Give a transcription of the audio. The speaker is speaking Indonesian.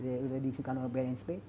ini sudah disiapkan oleh bnn sp